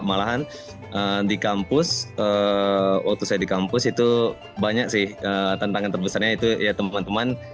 malahan di kampus waktu saya di kampus itu banyak sih tantangan terbesarnya itu ya teman teman